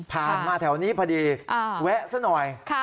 ผ่านมาแถวนี้พอดีแวะสักหน่อย